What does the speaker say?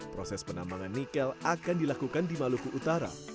proses penambangan nikel akan dilakukan di maluku utara